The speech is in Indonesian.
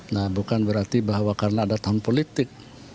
nah bukan berarti bahwa karena ada tahun politik